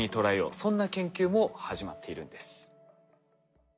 そんな研究も始まっているんです。